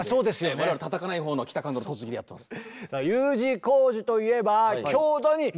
我々たたかないほうの北関東の栃木でやってます。